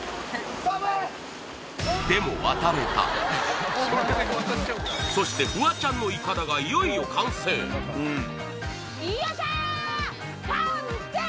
わっそしてフワちゃんのイカダがいよいよ完成よっしゃー！